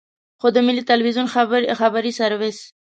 خو د ملي ټلویزیون خبري سرویس.